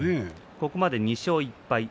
ここまで２勝１敗です。